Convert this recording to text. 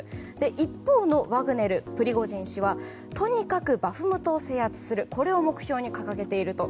一方、ワグネルのプリゴジン氏はとにかくバフムトを制圧することを目標に掲げていると。